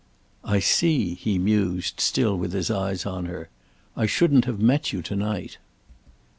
"I see," he mused, still with his eyes on her. "I shouldn't have met you to night."